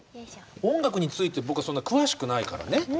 音楽について僕はそんな詳しくないからね。